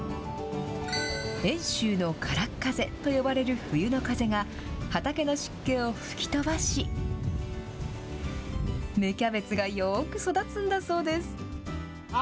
遠州の空っ風と呼ばれる冬の風が、畑の湿気を吹き飛ばし、芽キャベツがよーく育つんだそうです。